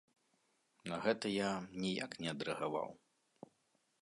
На гэта я ніяк не адрэагаваў.